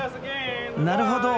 なるほど。